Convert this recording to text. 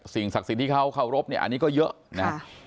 สิ่งศักดิ์สิทธิ์ที่เค้าเค้ารบเนี่ยอันนี้ก็เยอะค่ะอ่า